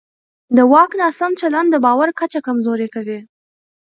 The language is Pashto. د واک ناسم چلند د باور کچه کمزوری کوي